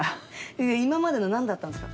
今までの何だったんすか。